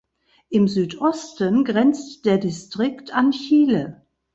Im Südosten grenzt der Distrikt an Chile.